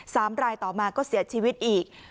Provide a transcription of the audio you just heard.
สามรายต่อมาก็เสียชีวิตอีก